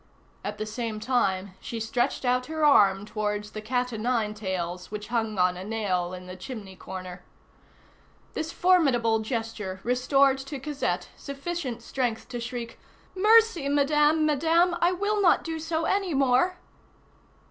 At the same time, she stretched out her arm towards the cat o' nine tails which hung on a nail in the chimney corner. This formidable gesture restored to Cosette sufficient strength to shriek:— "Mercy, Madame, Madame! I will not do so any more!"